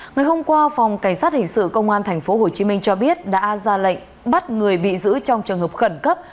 ngày hôm qua phòng cảnh sát hình sự công an tp hcm cho biết đã ra lệnh bắt người bị giữ trong trường hợp khẩn cấp